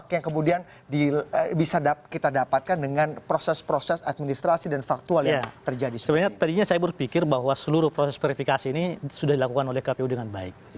sebenarnya saya berpikir bahwa seluruh proses verifikasi ini sudah dilakukan oleh kpu dengan baik